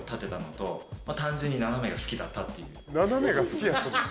斜めが好きやった。